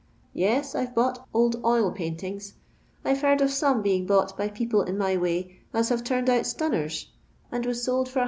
Yes, I 've bought old oil paintings. I 've heard of some being bought by people in my way ns have turned out stuimers, and tvos sold for a No.